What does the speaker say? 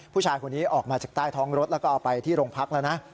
ผู้ชายคนนี้ออกมาจากใต้ท้องรถแล้วก็เอาไปที่โรงพักแล้วนะ